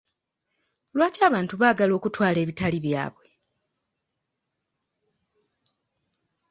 Lwaki abantu baagala okutwala ebitali byabwe?